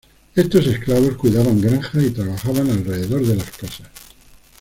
Estos esclavos cuidaban granjas y trabajaban alrededor de las casas.